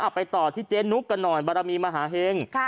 ไปต่อที่เจ๊นุกกันหน่อยบารมีมหาเห็ง